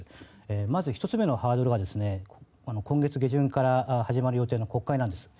まず１つ目のハードルが今月下旬から始まる予定の国会なんです。